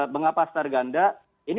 bengapa astarganda ini